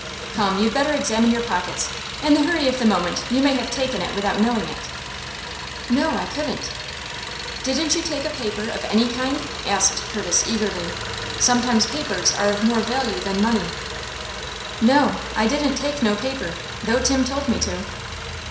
"Come, you'd better examine your pockets. In the hurry of the moment you may have taken it without knowing it." "No, I couldn't." "Didn't you take a paper of any kind?" asked Curtis, eagerly. "Sometimes papers are of more value than money." "No, I didn't take no paper, though Tim told me to."